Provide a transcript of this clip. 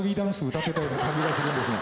歌ってたような感じがするんですが。